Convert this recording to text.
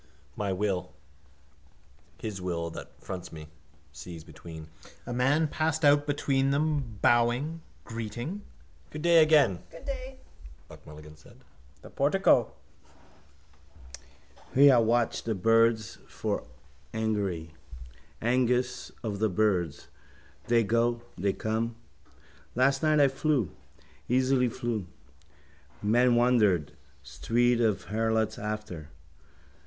My will: his will that fronts me. Seas between. A man passed out between them, bowing, greeting. —Good day again, Buck Mulligan said. The portico. Here I watched the birds for augury. Ængus of the birds. They go, they come. Last night I flew. Easily flew. Men wondered. Street of harlots after.